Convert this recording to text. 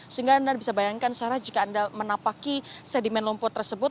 sehingga anda bisa bayangkan sarah jika anda menapaki sedimen lumpur tersebut